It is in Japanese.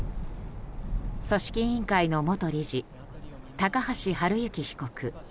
組織委員会の元理事高橋治之被告。